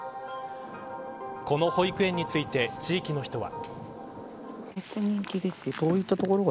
この保育園について地域の人は。